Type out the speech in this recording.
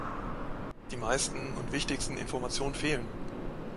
Die meisten und wichtigsten Informationen fehlen.